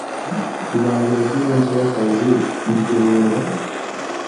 irangira ry umunsi w akazi iryo renga